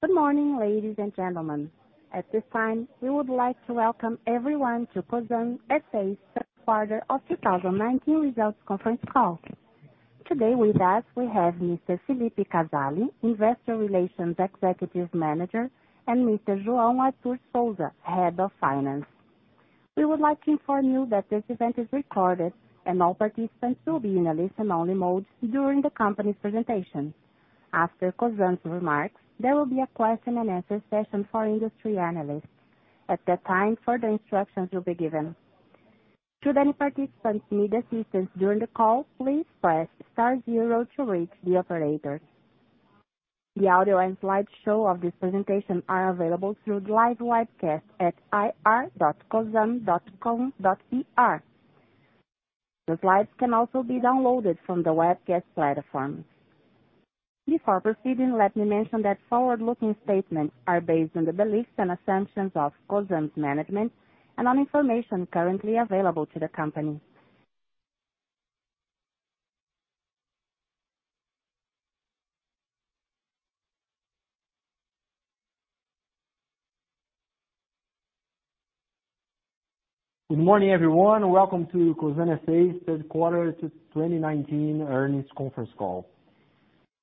Good morning, ladies and gentlemen. At this time, we would like to welcome everyone to Cosan S.A.'s third quarter of 2019 results conference call. Today with us, we have Mr. Felipe Casali, Investor Relations Executive Manager, and Mr. João Arthur Souza, Head of Finance. We would like to inform you that this event is recorded, and all participants will be in a listen-only mode during the company's presentation. After Cosan's remarks, there will be a question and answer session for industry analysts. At that time, further instructions will be given. Should any participants need assistance during the call, please press star zero to reach the operator. The audio and slideshow of this presentation are available through the live webcast at ir.cosan.com.br. The slides can also be downloaded from the webcast platform. Before proceeding, let me mention that forward-looking statements are based on the beliefs and assumptions of Cosan's management and on information currently available to the company. Good morning, everyone. Welcome to Cosan S.A.'s third quarter 2019 earnings conference call.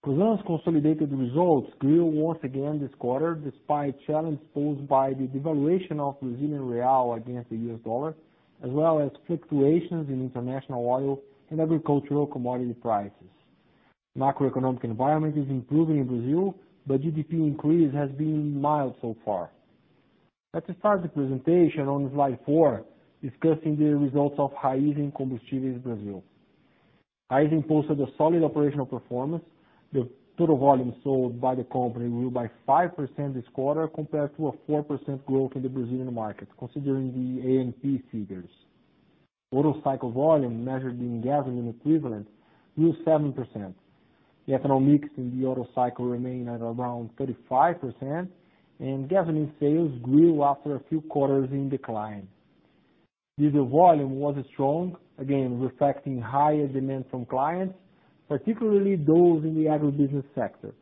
Cosan's consolidated results grew once again this quarter, despite challenges posed by the devaluation of Brazilian real against the U.S. dollar, as well as fluctuations in international oil and agricultural commodity prices. Macroeconomic environment is improving in Brazil, but GDP increase has been mild so far. Let us start the presentation on slide four, discussing the results of Raízen Combustíveis Brasil. Raízen posted a solid operational performance. The total volume sold by the company grew by 5% this quarter compared to a 4% growth in the Brazilian market, considering the ANP figures. Auto cycle volume measured in gasoline equivalent grew 7%. The ethanol mix in the auto cycle remained at around 35%, and gasoline sales grew after a few quarters in decline. Diesel volume was strong, again reflecting higher demand from clients, particularly those in the agribusiness sector.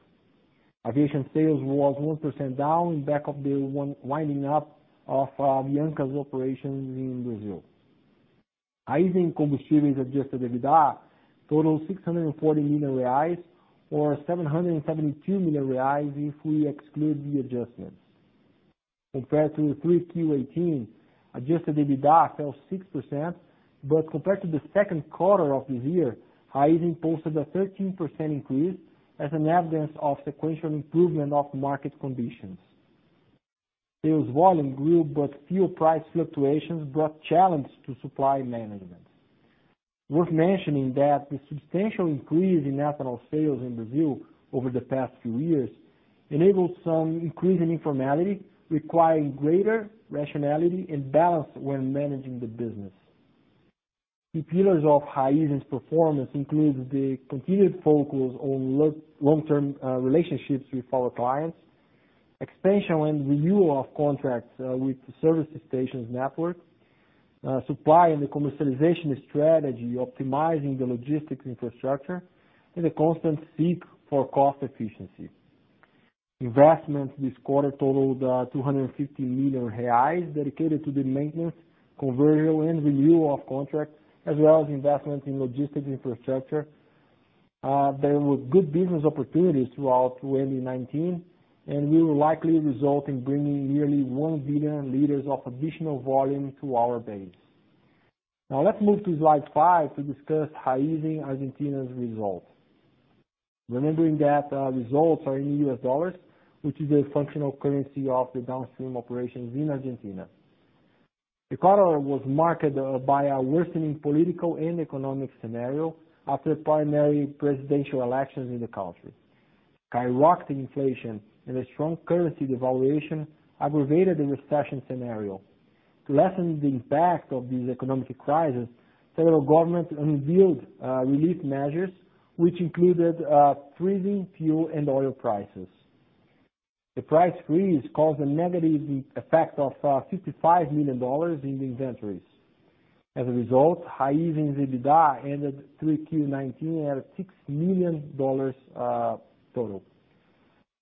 Aviation sales was 1% down back of the one winding up of Avianca's operations in Brazil. Raízen Combustíveis adjusted EBITDA totaled 640 million reais or 772 million reais if we exclude the adjustments. Compared to 3Q18, adjusted EBITDA fell 6%. Compared to the second quarter of this year, Raízen posted a 13% increase as an evidence of sequential improvement of market conditions. Sales volume grew. Fuel price fluctuations brought challenges to supply management. Worth mentioning that the substantial increase in ethanol sales in Brazil over the past few years enabled some increasing informality, requiring greater rationality and balance when managing the business. The pillars of Raízen's performance include the continued focus on long-term relationships with our clients, expansion and renewal of contracts with the services stations network, supply and the commercialization strategy optimizing the logistics infrastructure, and the constant seek for cost efficiency. Investments this quarter totaled 250 million reais dedicated to the maintenance, conversion, and renewal of contract, as well as investment in logistics infrastructure. There were good business opportunities throughout 2019, and will likely result in bringing nearly 1 billion liters of additional volume to our base. Let's move to slide five to discuss Raízen Argentina's results. Remembering that results are in US dollars, which is a functional currency of the downstream operations in Argentina. The quarter was marked by a worsening political and economic scenario after primary presidential elections in the country. Skyrocketing inflation and a strong currency devaluation aggravated the recession scenario. To lessen the impact of this economic crisis, federal government unveiled relief measures, which included freezing fuel and oil prices. The price freeze caused a negative effect of $55 million in inventories. As a result, Raízen's EBITDA ended 3Q19 at $6 million total.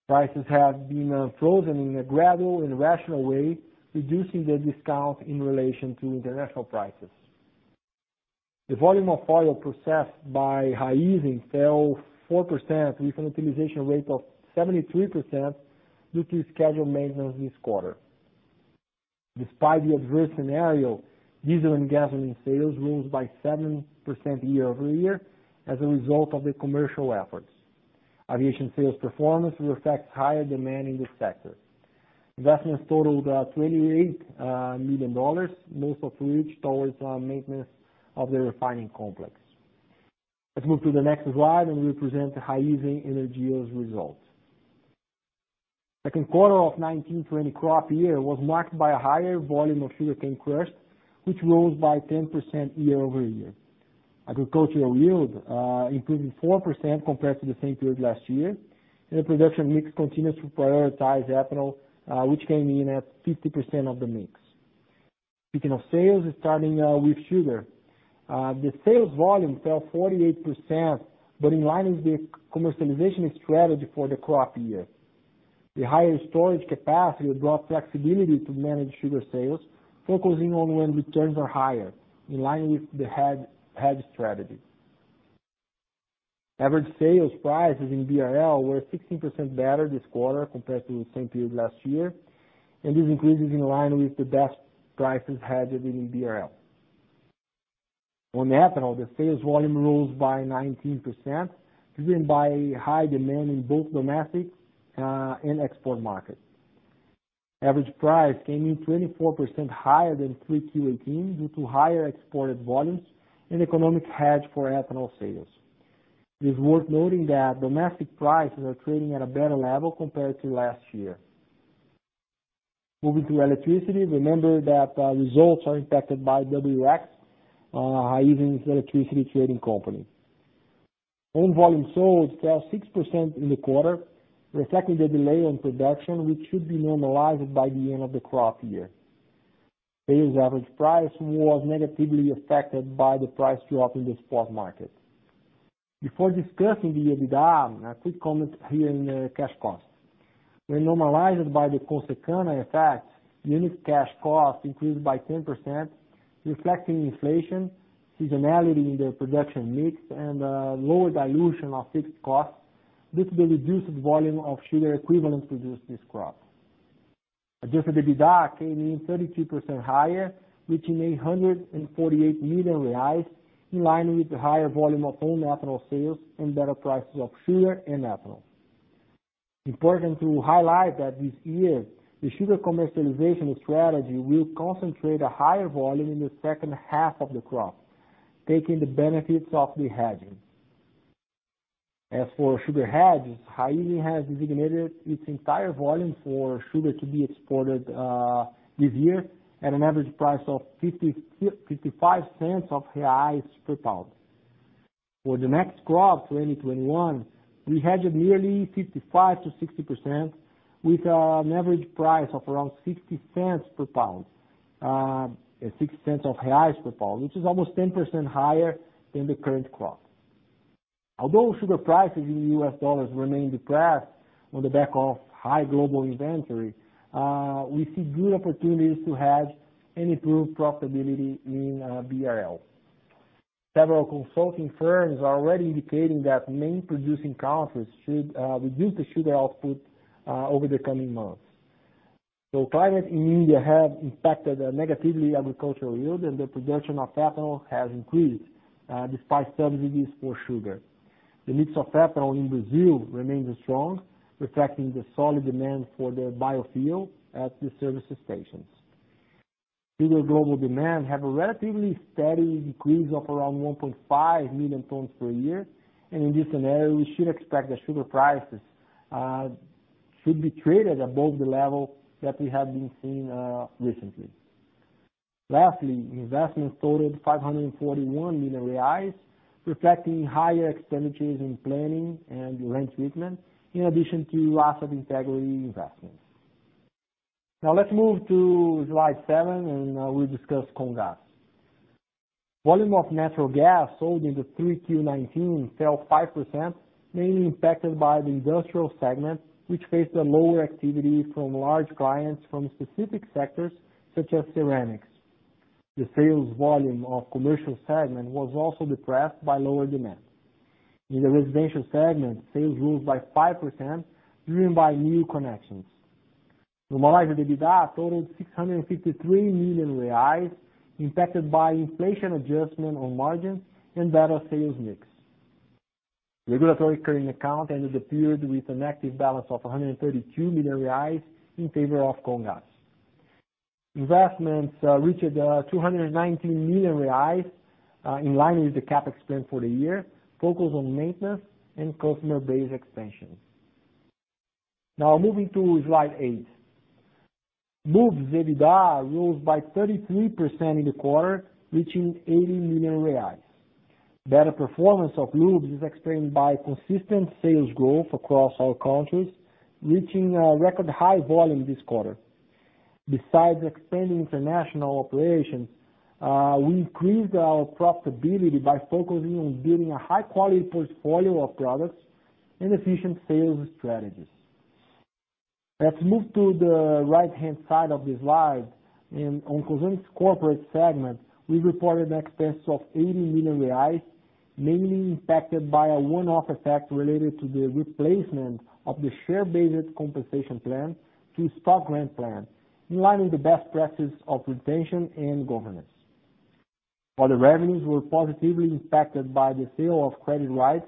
Prices have been frozen in a gradual and rational way, reducing the discount in relation to international prices. The volume of oil processed by Raízen fell 4% with an utilization rate of 73% due to scheduled maintenance this quarter. Despite the adverse scenario, diesel and gasoline sales rose by 7% year-over-year as a result of the commercial efforts. Aviation sales performance reflects higher demand in this sector. Investments totaled $28 million, most of which towards maintenance of the refining complex. Let's move to the next slide. We'll present Raízen Energia's results. Second quarter of 1920 crop year was marked by a higher volume of sugarcane crushed, which rose by 10% year-over-year. Agricultural yield improved 4% compared to the same period last year. The production mix continues to prioritize ethanol, which came in at 50% of the mix. Speaking of sales, starting with sugar. The sales volume fell 48%, but in line with the commercialization strategy for the crop year. The higher storage capacity will bring flexibility to manage sugar sales, focusing only when returns are higher, in line with the hedge strategy. Average sales prices in BRL were 16% better this quarter compared to the same period last year, and this increase is in line with the best prices hedged in BRL. On ethanol, the sales volume rose by 19%, driven by high demand in both domestic and export markets. Average price came in 24% higher than 3Q 2018 due to higher exported volumes and economic hedge for ethanol sales. It is worth noting that domestic prices are trading at a better level compared to last year. Moving to electricity, remember that results are impacted by WX Energy, Raízen's electricity trading company. Own volume sold fell 6% in the quarter, reflecting the delay in production, which should be normalized by the end of the crop year. Sales average price was negatively affected by the price drop in the spot market. Before discussing the EBITDA, a quick comment here on cash costs. When normalized by the CONSECANA effect, unit cash cost increased by 10%, reflecting inflation, seasonality in the production mix, and a lower dilution of fixed costs due to the reduced volume of sugar equivalent produced this crop. Adjusted EBITDA came in 32% higher, reaching 848 million reais, in line with the higher volume of own ethanol sales and better prices of sugar and ethanol. Important to highlight that this year, the sugar commercialization strategy will concentrate a higher volume in the second half of the crop, taking the benefits of the hedging. As for sugar hedges, Raízen has designated its entire volume for sugar to be exported this year at an average price of 0.55 per pound. For the next crop, 2021, we hedged nearly 55%-60% with an average price of around 0.60 per pound, which is almost 10% higher than the current crop. Although sugar prices in US dollars remain depressed on the back of high global inventory, we see good opportunities to hedge and improve profitability in BRL. Several consulting firms are already indicating that main producing countries should reduce the sugar output over the coming months. Climate in India have impacted negatively agricultural yield, and the production of ethanol has increased, despite some reduce for sugar. The mix of ethanol in Brazil remains strong, reflecting the solid demand for the biofuel at the service stations. Sugar global demand have a relatively steady decrease of around 1.5 million tons per year. In this scenario, we should expect that sugar prices should be traded above the level that we have been seeing recently. Lastly, investments totaled 541 million reais, reflecting higher expenditures in planning and rent treatment, in addition to asset integrity investments. Let's move to slide seven, and we'll discuss Comgás. Volume of natural gas sold in the 3Q19 fell 5%, mainly impacted by the industrial segment, which faced a lower activity from large clients from specific sectors such as ceramics. The sales volume of commercial segment was also depressed by lower demand. In the residential segment, sales rose by 5%, driven by new connections. Normalized EBITDA totaled 653 million reais, impacted by inflation adjustment on margins and better sales mix. Regulatory current account ended the period with an active balance of 132 million reais in favor of Comgás. Investments reached 219 million reais, in line with the CapEx plan for the year, focused on maintenance and customer base expansion. Moving to slide eight. Moove's EBITDA rose by 33% in the quarter, reaching 80 million reais. Better performance of Moove is explained by consistent sales growth across all countries, reaching a record high volume this quarter. Besides expanding international operations, we increased our profitability by focusing on building a high-quality portfolio of products and efficient sales strategies. Let's move to the right-hand side of the slide. On Cosan's corporate segment, we reported an expense of 80 million reais, mainly impacted by a one-off effect related to the replacement of the share-based compensation plan to a stock grant plan, in line with the best practice of retention and governance. Other revenues were positively impacted by the sale of credit rights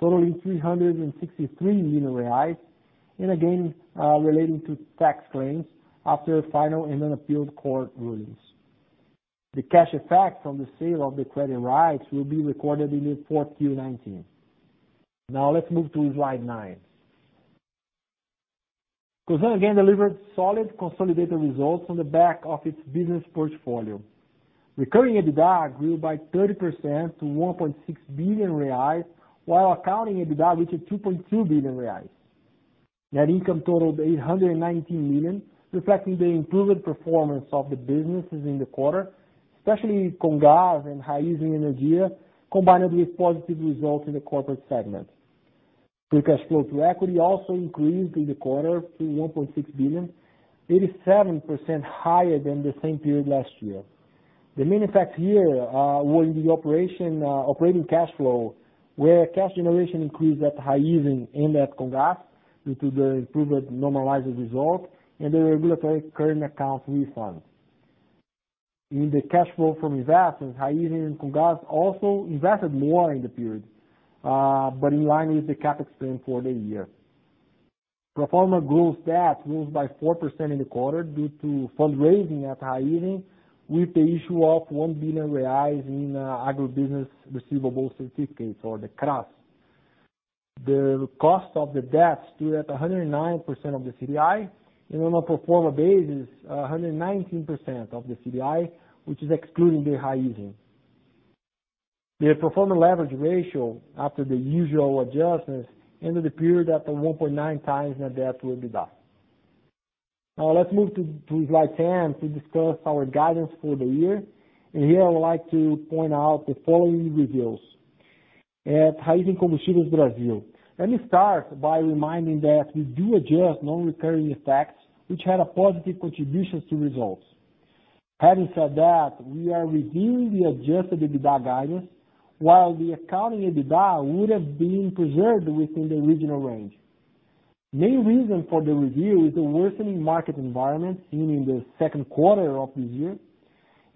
totaling 363 million reais, again, relating to tax claims after final and unappealed court rulings. The cash effect on the sale of the credit rights will be recorded in the 4Q 2019. Now let's move to slide nine. Cosan again delivered solid consolidated results on the back of its business portfolio. Recurring EBITDA grew by 30% to 1.6 billion reais, while accounting EBITDA reached 2.2 billion reais. Net income totaled 819 million, reflecting the improved performance of the businesses in the quarter, especially Comgás and Raízen Energia, combined with positive results in the corporate segment. Free cash flow to equity also increased in the quarter to 1.6 billion, 87% higher than the same period last year. The main effects here were in the operating cash flow, where cash generation increased at Raízen and at Comgás due to the improved normalized results and the regulatory current account refunds. In the cash flow from investments, Raízen and Comgás also invested more in the period, but in line with the CapEx spend for the year. Pro forma gross debt rose by 4% in the quarter due to fundraising at Raízen, with the issue of 1 billion reais in Agribusiness Receivables Certificates or the CRAs. The cost of the debt stood at 109% of the CDI and on a pro forma basis, 119% of the CDI, which is excluding the Raízen. The pro forma leverage ratio after the usual adjustments ended the period at 1.9 times net debt to EBITDA. Now let's move to slide 10 to discuss our guidance for the year. Here I would like to point out the following reviews. At Raízen Combustíveis Brasil, let me start by reminding that we do adjust non-recurring effects, which had a positive contribution to results. Having said that, we are reviewing the adjusted EBITDA guidance while the accounting EBITDA would have been preserved within the original range. Main reason for the review is the worsening market environment seen in the second quarter of this year,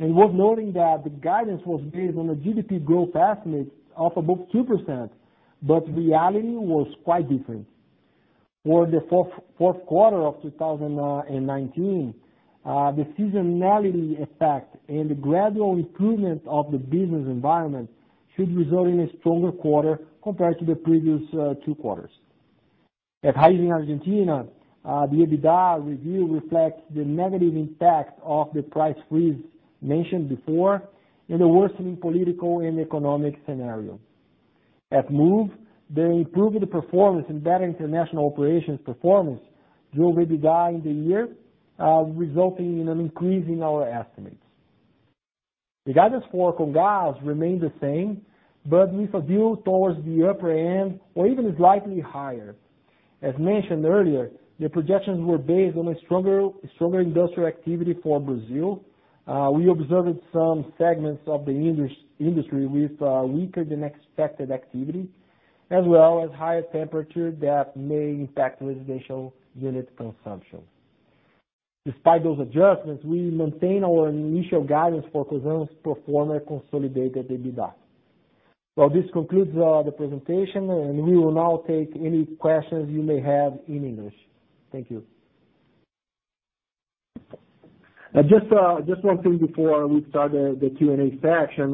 and worth noting that the guidance was based on a GDP growth estimate of above 2%, but reality was quite different. For the fourth quarter of 2019, the seasonality effect and the gradual improvement of the business environment should result in a stronger quarter compared to the previous two quarters. At Raízen Argentina, the EBITDA review reflects the negative impact of the price freeze mentioned before and the worsening political and economic scenario. At Moove, the improved performance and better international operations performance drove EBITDA in the year, resulting in an increase in our estimates. The guidance for Comgás remains the same, but with a view towards the upper end or even slightly higher. As mentioned earlier, the projections were based on a stronger industrial activity for Brazil. We observed some segments of the industry with weaker than expected activity, as well as higher temperature that may impact residential unit consumption. Despite those adjustments, we maintain our initial guidance for Cosan's pro forma consolidated EBITDA. This concludes the presentation, and we will now take any questions you may have in English. Thank you. Just one thing before we start the Q&A session.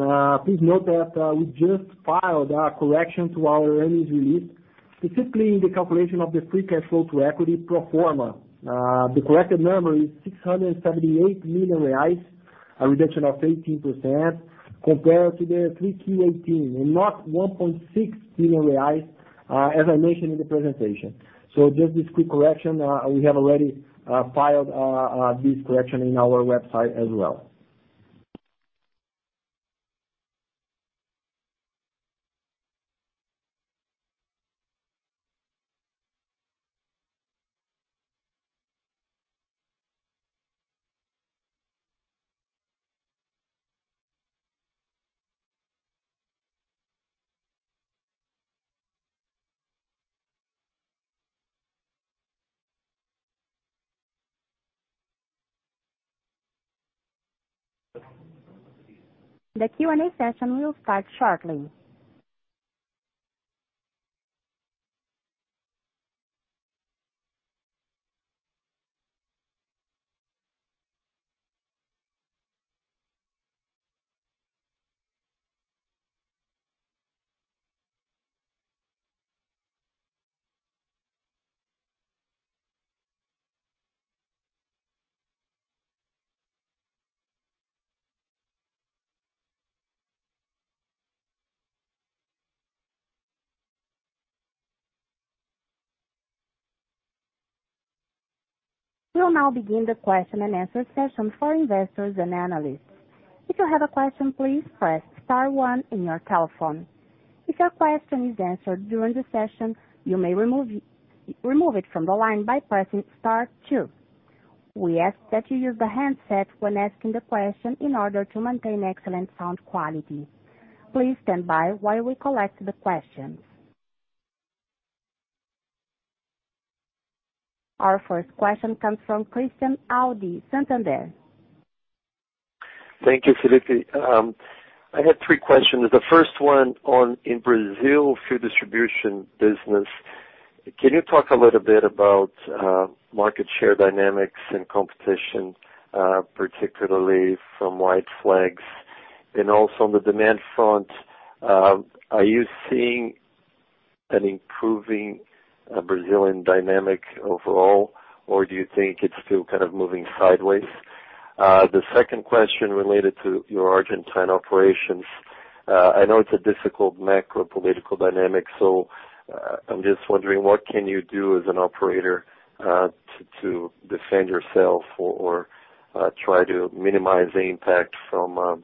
Please note that we just filed a correction to our earnings release, specifically in the calculation of the free cash flow to equity pro forma. The corrected number is 678 million reais, a reduction of 18% compared to the 3Q 2018, and not 1.6 billion reais, as I mentioned in the presentation. Just this quick correction. We have already filed this correction on our website as well. The Q&A session will start shortly. We will now begin the question and answer session for investors and analysts. If you have a question, please press star 1 on your telephone. If your question is answered during the session, you may remove it from the line by pressing star 2. We ask that you use the handset when asking the question in order to maintain excellent sound quality. Please stand by while we collect the questions. Our first question comes from Christian Audi, Santander. Thank you, Felipe. I have three questions. The first one on in Brazil fuel distribution business, can you talk a little bit about market share dynamics and competition, particularly from white flags? Also on the demand front, are you seeing an improving Brazilian dynamic overall, or do you think it's still kind of moving sideways? The second question related to your Argentine operations. I know it's a difficult macro political dynamic, I'm just wondering what can you do as an operator to defend yourself or try to minimize the impact from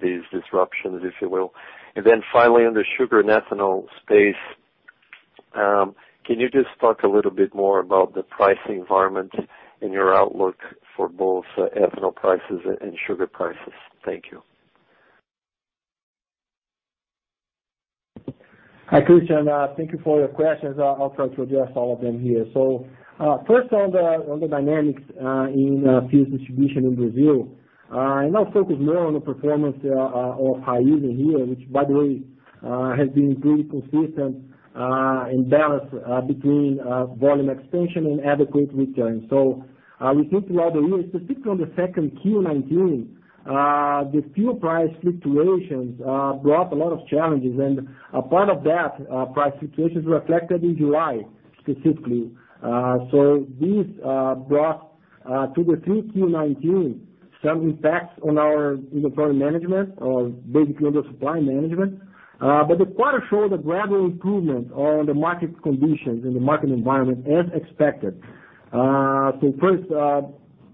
these disruptions, if you will? Finally, on the sugar and ethanol space, can you just talk a little bit more about the pricing environment and your outlook for both ethanol prices and sugar prices? Thank you. Hi, Christian. Thank you for your questions. I'll try to address all of them here. First on the dynamics in fuels distribution in Brazil. I now focus more on the performance of Raízen here, which by the way has been pretty consistent in balance between volume expansion and adequate return. We think throughout the year, specifically on the second Q 2019, the fuel price fluctuations brought a lot of challenges and a part of that price fluctuations reflected in July specifically. This brought to the three Q 2019 some impacts on our inventory management or basically on the supply management. The quarter showed a gradual improvement on the market conditions and the market environment as expected. First,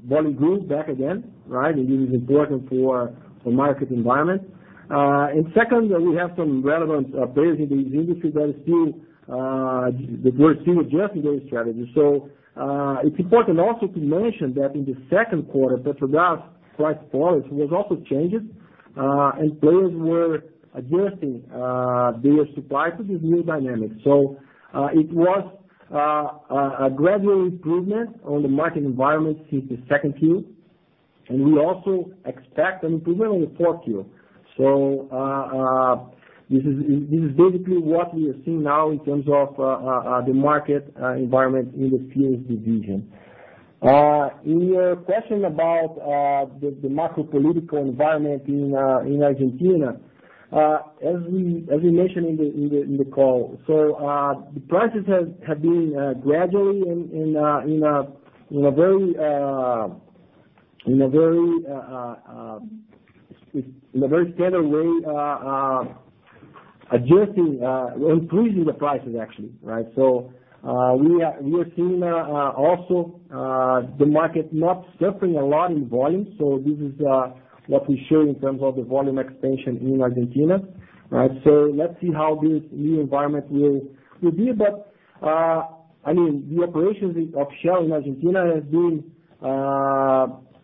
volume grew back again, right? This is important for market environment. Secondly, we have some relevant players in this industry that we're still adjusting their strategies. It's important also to mention that in the second quarter, Petrobras price policy was also changed, and players were adjusting their supplies to this new dynamic. It was a gradual improvement on the market environment since the second quarter, and we also expect an improvement on the fourth quarter. This is basically what we are seeing now in terms of the market environment in the fuels division. In your question about the macro political environment in Argentina. As we mentioned in the call, the prices have been gradually, in a very standard way adjusting, increasing the prices, actually, right? We are seeing also the market not suffering a lot in volume. This is what we show in terms of the volume expansion in Argentina, right? Let's see how this new environment will be. I mean, the operations of Shell in Argentina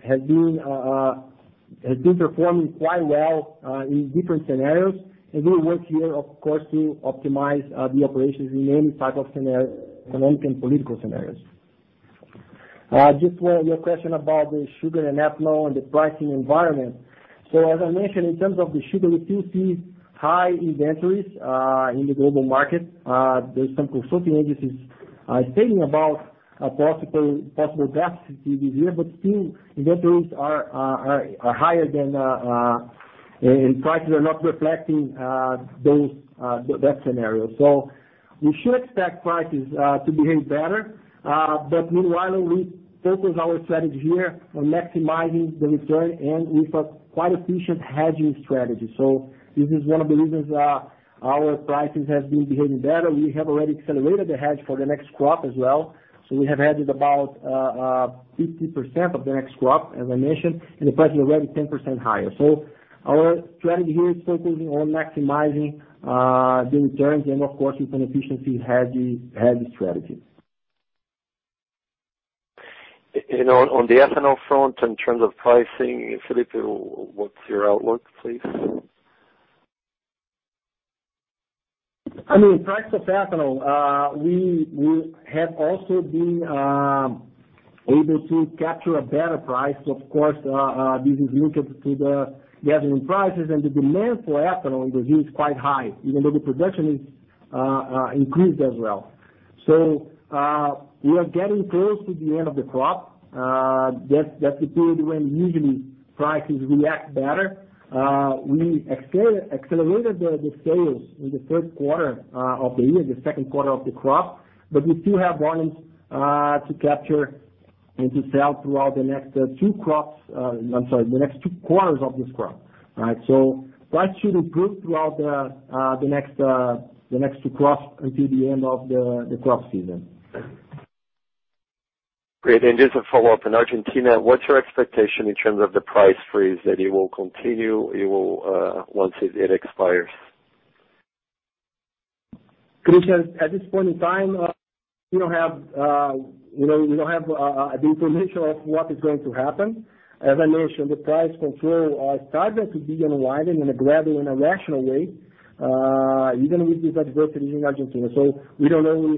has been performing quite well, in different scenarios, and we work here of course, to optimize the operations in any type of economic and political scenarios. Just for your question about the sugar and ethanol and the pricing environment. As I mentioned, in terms of the sugar, we still see high inventories in the global market. There's some consulting agencies saying about a possible deficit this year, but still inventories are higher than. Prices are not reflecting that scenario. We should expect prices to behave better. Meanwhile, we focus our strategy here on maximizing the return and with a quite efficient hedging strategy. This is one of the reasons our prices have been behaving better. We have already accelerated the hedge for the next crop as well. We have hedged about 50% of the next crop, as I mentioned, and the price is already 10% higher. Our strategy here is focusing on maximizing the returns and of course with an efficiency hedging strategy. On the ethanol front, in terms of pricing, Felipe, what's your outlook, please? I mean, price of ethanol, we have also been able to capture a better price. Of course, this is linked to the gasoline prices and the demand for ethanol in Brazil is quite high, even though the production increased as well. We are getting close to the end of the crop. That's the period when usually prices react better. We accelerated the sales in the first quarter of the year, the second quarter of the crop, but we still have volumes to capture and to sell throughout the next two quarters of this crop. Right. Price should improve throughout the next two crops until the end of the crop season. Great. Just a follow-up. In Argentina, what's your expectation in terms of the price freeze? That it will continue, once it expires? Christian, at this point in time, we don't have the information of what is going to happen. As I mentioned, the price control are starting to be unwinding in a gradual and a rational way, even with this adversity in Argentina. We don't know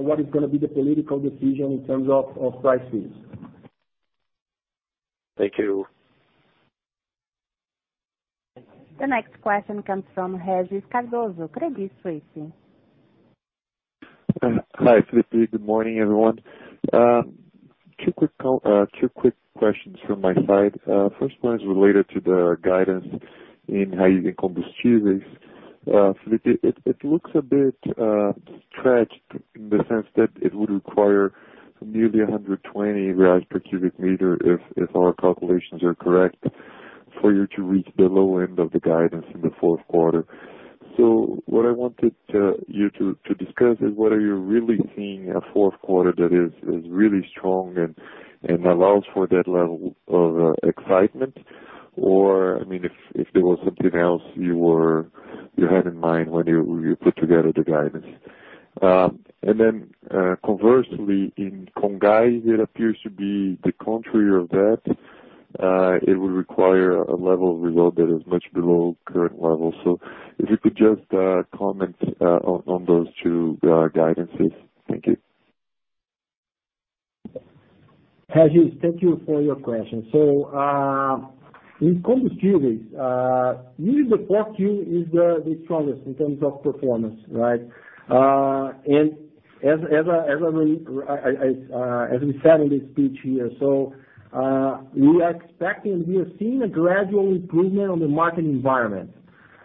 what is going to be the political decision in terms of price freeze. Thank you. The next question comes from Regis Cardoso, Credit Suisse. Hi, Felipe. Good morning, everyone. Two quick questions from my side. First one is related to the guidance in Raízen Combustíveis, Felipe. It looks a bit stretched in the sense that it would require nearly 120 per cubic meter if our calculations are correct for you to reach the low end of the guidance in the fourth quarter. What I wanted you to discuss is whether you're really seeing a fourth quarter that is really strong and allows for that level of excitement, or if there was something else you had in mind when you put together the guidance. Conversely, in Comgás, it appears to be the contrary of that. It would require a level of reload that is much below current levels. If you could just comment on those two guidances. Thank you. Regis, thank you for your question. In Combustíveis, usually the fourth Q is the strongest in terms of performance, right? As we said in the speech here, we are seeing a gradual improvement on the market environment.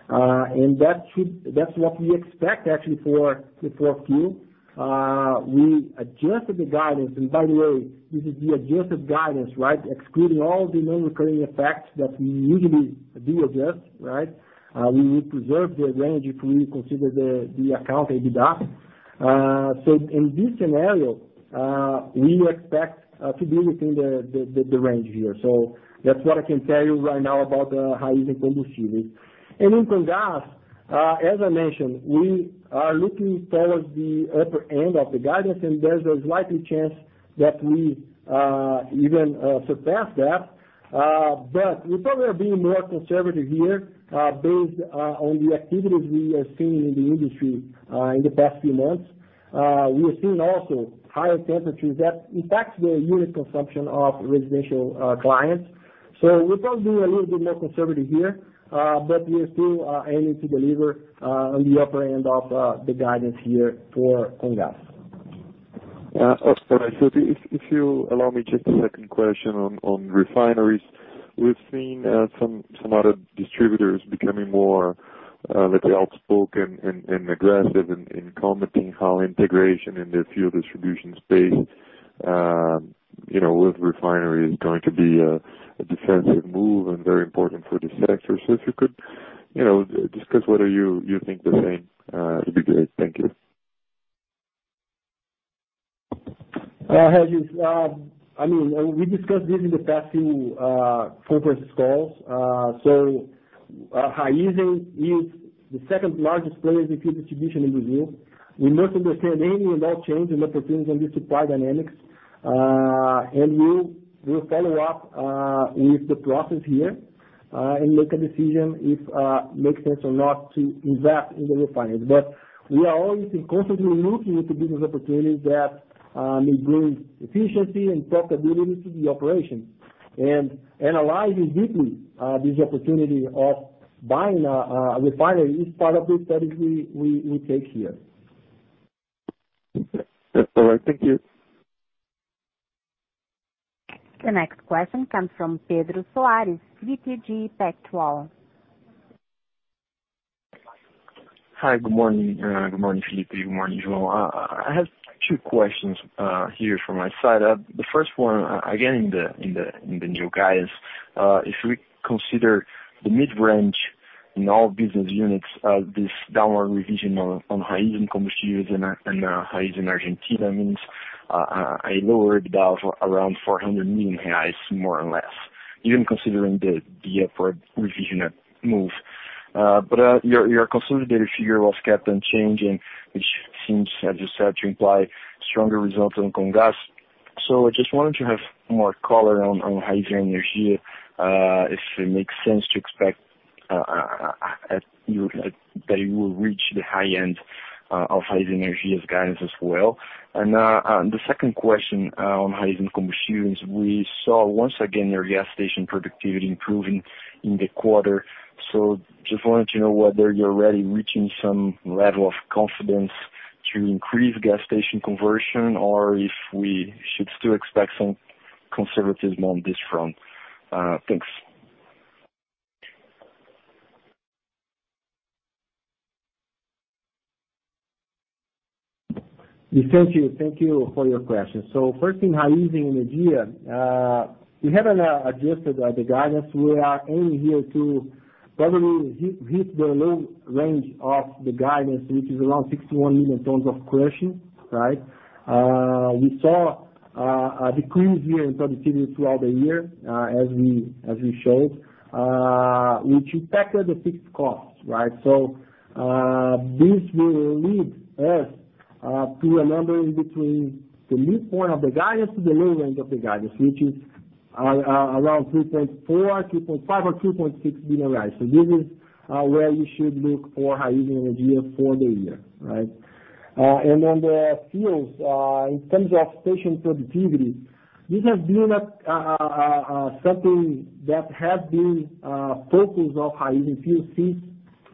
That's what we expect actually for the fourth Q. We adjusted the guidance. By the way, this is the adjusted guidance, right? Excluding all the non-recurring effects that we usually do adjust, right? We need to reserve the range if we consider the account EBITDA. In this scenario, we expect to be within the range here. That's what I can tell you right now about Raízen Combustíveis. In Comgás, as I mentioned, we are looking towards the upper end of the guidance, and there's a likely chance that we even surpass that. We probably are being more conservative here based on the activities we are seeing in the industry in the past few months. We are seeing also higher temperatures that impact the unit consumption of residential clients. We're probably being a little bit more conservative here, but we are still aiming to deliver on the upper end of the guidance here for Comgás. If you allow me just a second question on refineries. We've seen some other distributors becoming more outspoken and aggressive in commenting how integration in the fuel distribution space with refinery is going to be a defensive move and very important for this sector. If you could discuss whether you think the same, it'd be great. Thank you. Regis, we discussed this in the past few conference calls. Raízen is the second largest player in the fuel distribution in Brazil. We must understand any and all changes that occurs in the supply dynamics. We will follow up with the process here, and make a decision if make sense or not to invest in the refinery. We are always constantly looking into business opportunities that may bring efficiency and profitability to the operation. Analyzing deeply this opportunity of buying a refinery is part of the studies we take here. That's all right. Thank you. The next question comes from Pedro Soares, BTG Pactual. Hi. Good morning, Felipe. Good morning, João. I have two questions here from my side. The first one, again, in the New Guys, if we consider the mid-range in all business units, this downward revision on Raízen Combustíveis and Raízen Argentina means a lower EBITDA of around 400 million reais, more or less, even considering the upward revision Moove. Your consolidated figure was kept on changing, which seems, as you said, to imply stronger results on Comgás. I just wanted to have more color on Raízen Energia, if it makes sense to expect that you will reach the high end of Raízen Energia's guidance as well. The second question on Raízen Combustíveis, we saw once again your gas station productivity improving in the quarter. Just wanted to know whether you're already reaching some level of confidence to increase gas station conversion, or if we should still expect some conservatism on this front. Thanks. Thank you for your question. First thing, Raízen Energia, we haven't adjusted the guidance. We are aiming here to probably hit the low range of the guidance, which is around 61 million tons of crushing. We saw a decrease here in productivity throughout the year, as we showed, which impacted the fixed costs, right? This will lead us to a number in between the midpoint of the guidance to the low range of the guidance, which is around 3.4 billion, 3.5 billion or 3.6 billion. This is where you should look for Raízen Energia for the year, right? On the fuels, in terms of station productivity, this has been something that has been a focus of Raízen Fuel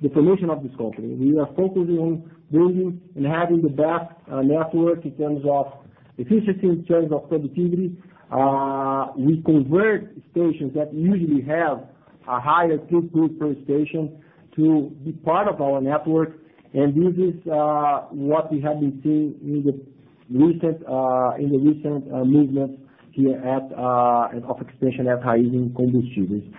since the formation of this company. We are focusing on building and having the best network in terms of efficiency, in terms of productivity. We convert stations that usually have a higher ticket per station to be part of our network, this is what we have been seeing in the recent movements here at and of expansion at Raízen Combustíveis.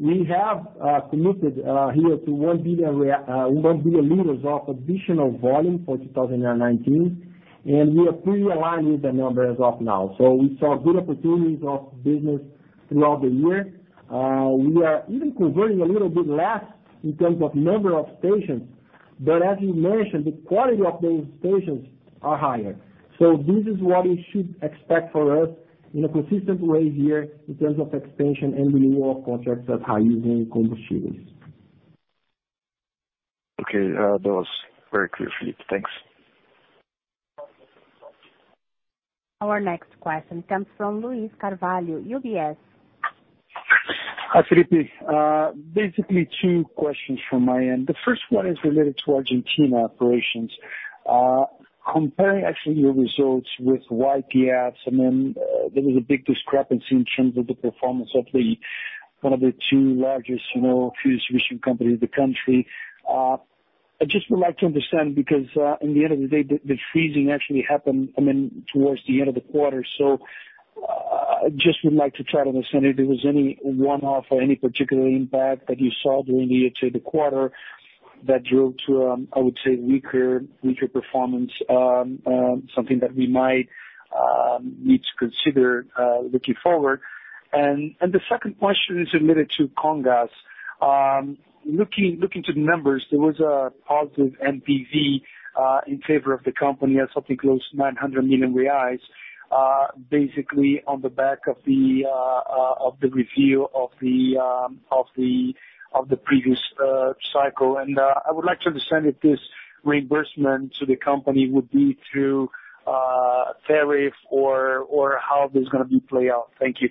We have committed here to 1 billion liters of additional volume for 2019, we are pretty aligned with the numbers as of now. We saw good opportunities of business throughout the year. We are even converting a little bit less in terms of number of stations. As you mentioned, the quality of those stations are higher. This is what we should expect for us in a consistent way here in terms of expansion and renewal of contracts at Raízen Combustíveis. Okay. That was very clear, Felipe. Thanks. Our next question comes from Luiz Carvalho, UBS. Hi, Felipe. Basically, two questions from my end. The first one is related to Argentina operations. Comparing actually your results with YPF's, and then there was a big discrepancy in terms of the performance of one of the two largest fuel distribution companies in the country. I just would like to understand, because in the end of the day, the freezing actually happened towards the end of the quarter. I just would like to try to understand if there was any one-off or any particular impact that you saw during the year to the quarter that drove to, I would say weaker performance, something that we might need to consider looking forward. The second question is related to Comgás. Looking to the numbers, there was a positive NPV in favor of the company at something close to 900 million reais, basically on the back of the review of the previous cycle. I would like to understand if this reimbursement to the company would be through a tariff or how this is going to play out. Thank you.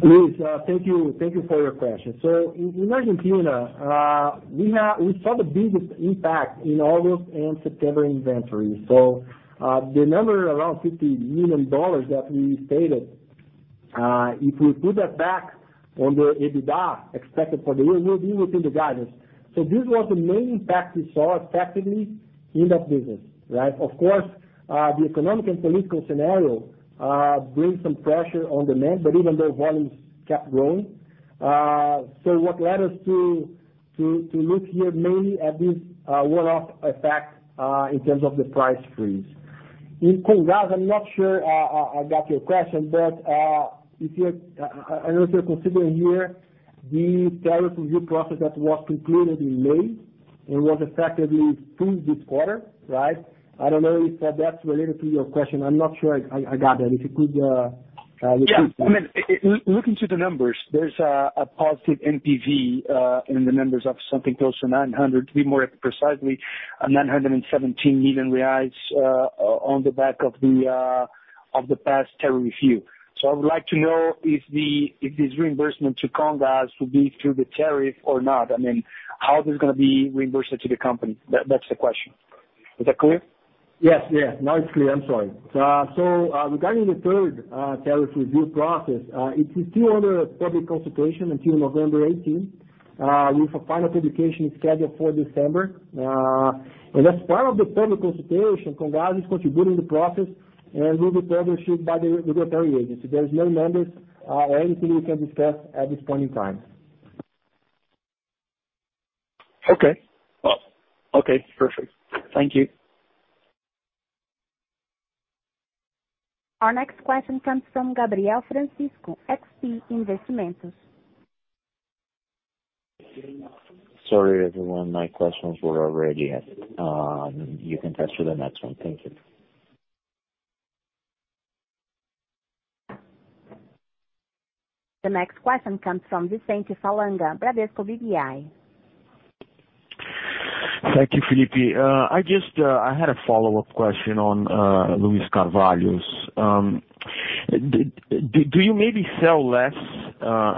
Luiz, thank you for your question. In Argentina, we saw the biggest impact in August and September inventories. The number around $50 million that we stated, if we put that back on the EBITDA expected for the year, we will be within the guidance. This was the main impact we saw effectively in that business. Of course, the economic and political scenario brings some pressure on demand. Even though, volumes kept growing. What led us to look here mainly at this one-off effect, in terms of the price freeze. In Comgás, I'm not sure I got your question, but I don't know if you're considering here the tariff review process that was concluded in May and was effectively through this quarter, right? I don't know if that's related to your question. I'm not sure I got that. If you could repeat that. Looking to the numbers, there's a positive NPV, in the numbers of something close to 900, to be more precisely, 917 million reais on the back of the past tariff review. I would like to know if this reimbursement to Comgás will be through the tariff or not. How this is going to be reimbursed to the company? That's the question. Is that clear? Yes. Now it's clear. I'm sorry. Regarding the third tariff review process, it is still under public consultation until November 18, with a final publication scheduled for December. As part of the public consultation, Comgás is contributing to the process and will be published by the regulatory agency. There's no numbers or anything we can discuss at this point in time. Okay. Perfect. Thank you. Our next question comes from Gabriel Francisco, XP Investimentos. Sorry, everyone. My questions were already asked. You can proceed to the next one. Thank you. The next question comes from Vicente Falanga, Bradesco BBI. Thank you, Felipe. I had a follow-up question on Luiz Carvalho's. Do you maybe sell less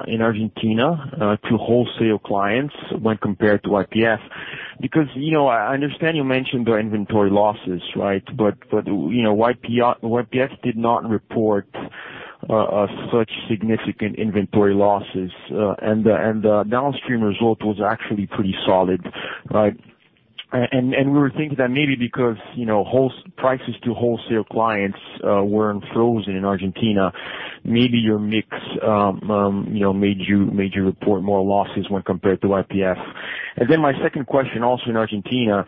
in Argentina to wholesale clients when compared to YPF? I understand you mentioned the inventory losses. YPF did not report such significant inventory losses, and the downstream result was actually pretty solid. We were thinking that maybe because prices to wholesale clients weren't frozen in Argentina, maybe your mix made you report more losses when compared to YPF. My second question also in Argentina,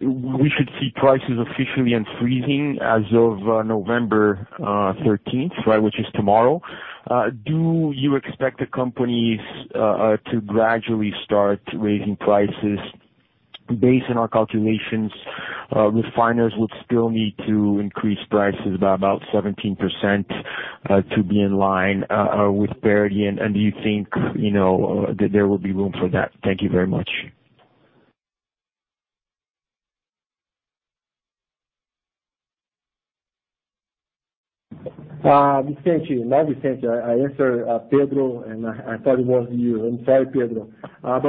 we should see prices officially unfreezing as of November 13th, which is tomorrow. Do you expect the companies to gradually start raising prices based on our calculations? Refiners would still need to increase prices by about 17% to be in line with parity. Do you think that there will be room for that? Thank you very much. Vicente. Not Vicente. I answered Pedro, and I thought it was you. I'm sorry, Pedro.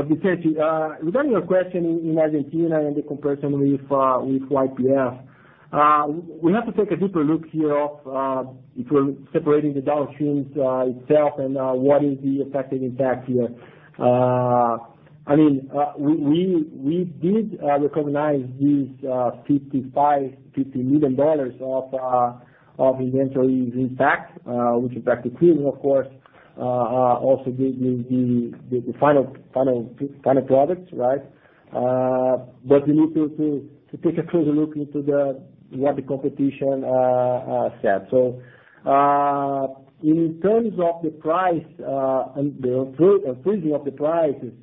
Vicente, regarding your question in Argentina and the comparison with YPF, we have to take a deeper look here if we're separating the downstream itself and what is the effective impact here. We did recognize these $55 million of inventory impact, which is actually clean, of course, also giving the final products, right? We need to take a closer look into what the competition said. In terms of the price, and the freezing of the prices,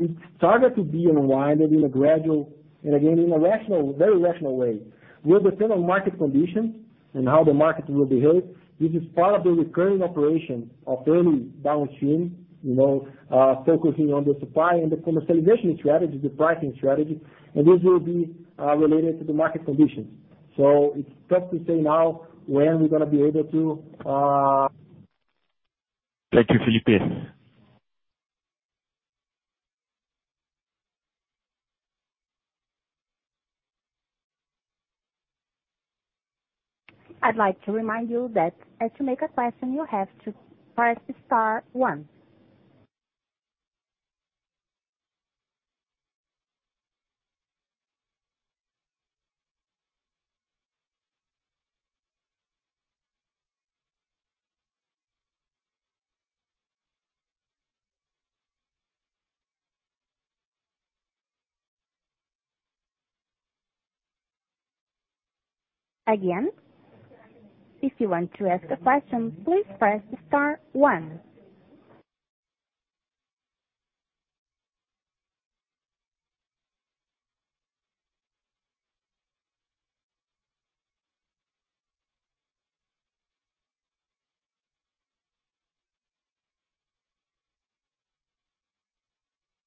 it started to be unwinded in a gradual, and again, in a very rational way. Will depend on market conditions and how the market will behave. This is part of the recurring operation of any downstream, focusing on the supply and the commercialization strategy, the pricing strategy, and this will be related to the market conditions. It's tough to say now when we're going to be able to. Thank you, Felipe. I'd like to remind you that to make a question, you have to press star one. If you want to ask a question, please press star one.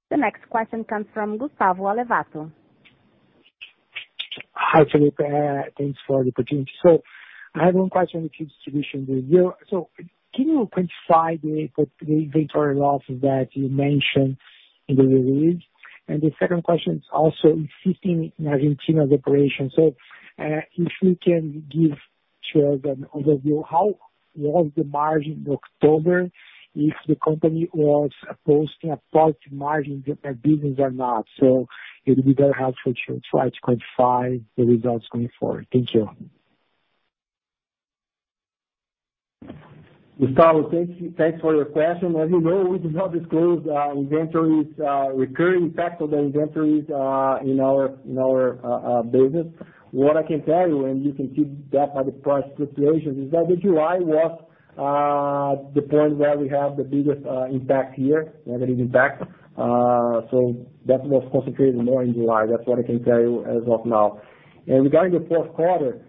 The next question comes from Gustavo Alevato. Hi, Felipe. Thanks for the opportunity. I have one question with your distribution review. Can you quantify the inventory losses that you mentioned in the release? The second question is also existing Argentina's operation. If you can give us an overview, how was the margin in October if the company was posting a positive margin business or not? It would be very helpful to try to quantify the results going forward. Thank you. Gustavo, thanks for your question. As you know, we do not disclose inventories, recurring impact of the inventories in our business. What I can tell you, and you can see that by the price fluctuations, is that July was the point where we have the biggest impact here, negative impact. That was concentrated more in July. That's what I can tell you as of now. Regarding the fourth quarter,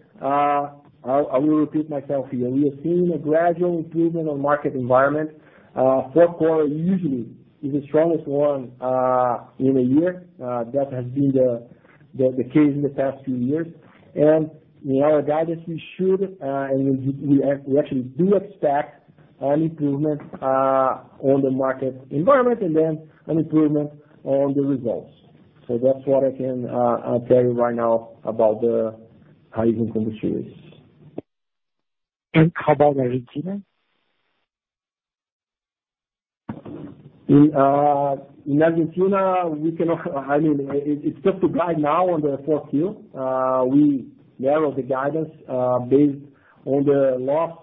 I will repeat myself here. We are seeing a gradual improvement on market environment. Fourth quarter usually is the strongest one in a year. That has been the case in the past few years. In our guidance, we should, and we actually do expect an improvement on the market environment and then an improvement on the results. That's what I can tell you right now about the high income materials. How about Argentina? In Argentina, it's tough to guide now on the fourth yield. We narrow the guidance, based on the loss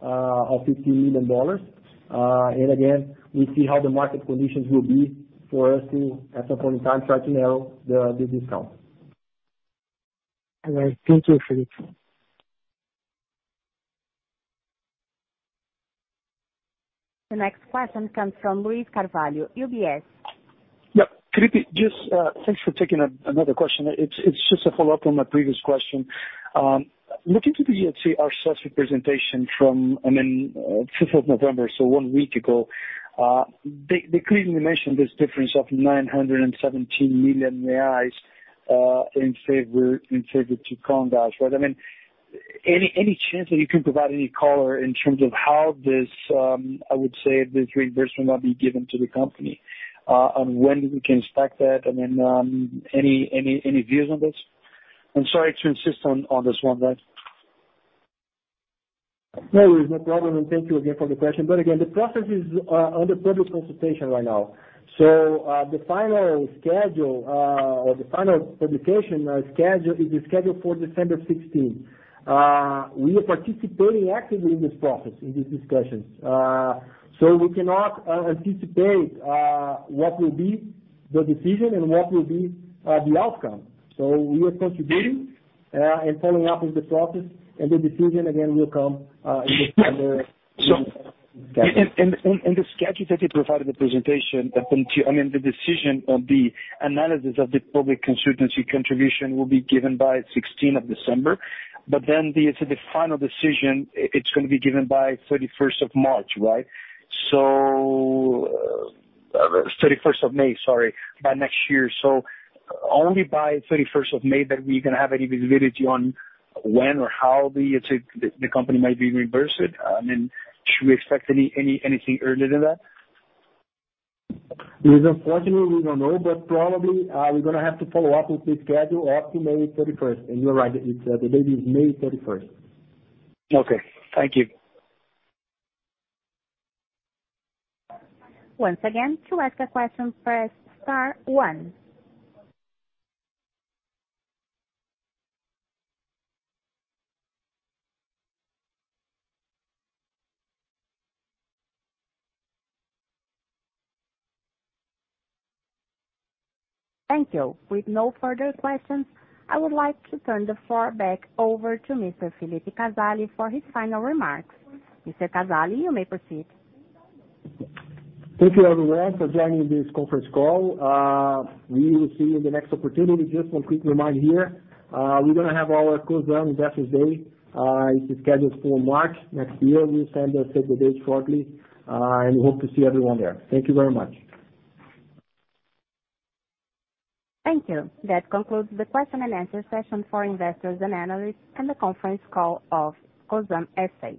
of $50 million. Again, we see how the market conditions will be for us to, at some point in time, try to narrow the discount. All right. Thank you, Felipe. The next question comes from Luiz Carvalho, UBS. Yeah, Felipe, just thanks for taking another question. It's just a follow-up on my previous question. Looking to the EFC access representation from, I mean, 5th of November, so one week ago. They clearly mentioned this difference of 917 million reais in favor to Comgás, right? I mean, any chance that you can provide any color in terms of how this, I would say, this reimbursement will be given to the company? When we can expect that, then any views on this? I'm sorry to insist on this one. It's no problem, thank you again for the question. Again, the process is under public consultation right now. The final schedule, or the final publication is scheduled for December 16th. We are participating actively in this process, in these discussions. We cannot anticipate what will be the decision and what will be the outcome. We are contributing, and following up with the process, and the decision again will come in December. In the schedule that you provided the presentation, I mean, the decision or the analysis of the public constituency contribution will be given by 16th of December, but then the final decision, it's going to be given by 31st of March, right? 31st of May, sorry, by next year. Only by 31st of May that we can have any visibility on when or how the company might be reimbursed? Should we expect anything earlier than that? Luiz, unfortunately, we don't know, probably, we're going to have to follow up with the schedule up to May 31st. You're right, the date is May 31st. Okay. Thank you. Once again, to ask a question, press star one. Thank you. With no further questions, I would like to turn the floor back over to Mr. Felipe Casali for his final remarks. Mr. Casali, you may proceed. Thank you, everyone, for joining this conference call. We will see you the next opportunity. Just one quick reminder here. We're going to have our Cosan Investors Day. It is scheduled for March next year. We'll send the save the date shortly, and we hope to see everyone there. Thank you very much. Thank you. That concludes the question and answer session for investors and analysts on the conference call of Cosan S.A.